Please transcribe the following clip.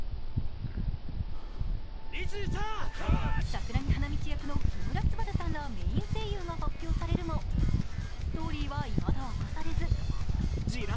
桜木花道役の木村昴さんらメーン声優が発表されるもストーリーはいまだ明かされず。